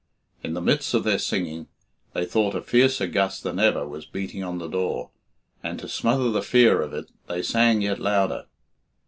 In the midst of their singing, they thought a fiercer gust than ever was beating on the door, and, to smother the fear of it, they sang yet louder.